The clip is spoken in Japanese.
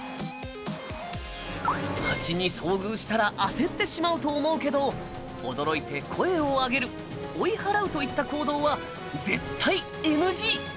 ハチに遭遇したら焦ってしまうと思うけど驚いて声をあげる追い払うといった行動は絶対ＮＧ。